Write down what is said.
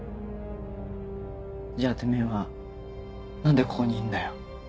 じゃあてめぇは何でここにいんだよ。